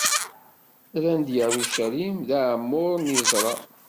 Rran Yarucalim d aɛemmur n yiẓra!